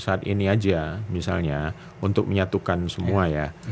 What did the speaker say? saat ini aja misalnya untuk menyatukan semua ya